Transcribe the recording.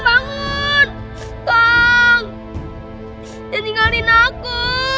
jangan tinggalin aku